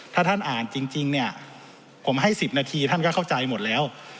ถ้าท่านอ่านจริงเนี่ยผมให้๑๐นาทีท่านก็เข้าใจหมดแล้ว